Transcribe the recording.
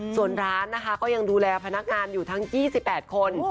ส่วนร้านนะคะก็ยังดูแลพนักงานอยู่ทั้ง๒๘คน